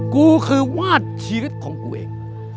กูคือวาดชีวิตของกูเอง